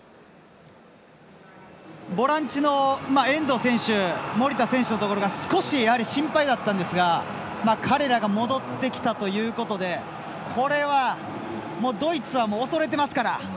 ボランチの遠藤選手守田選手のところが少し心配だったんですが彼らが戻ってきたということでこれはドイツは恐れていますから。